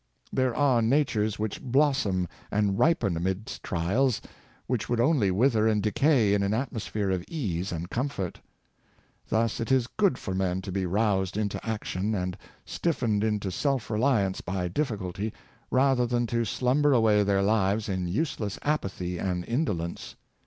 There are natures which blossom and ripen amidst trials, which would only wither and decay in an atmosphere of ease and comfort. Thus it is good for men to be roused into action and stiffened into self reliance by difficulty, rather than to slumber away their lives in useless apathy and indolence.